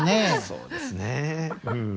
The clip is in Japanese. そうですねうん。